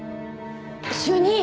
主任！